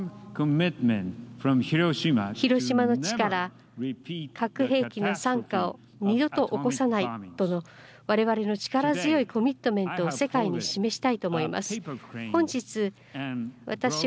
広島の地から核兵器の惨禍を二度と起こさないとのわれわれの力強いコミットメントを世界に示したいと思います。